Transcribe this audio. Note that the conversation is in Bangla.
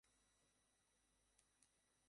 সে খাবার নিয়ে আমাকে টিপ দিলো।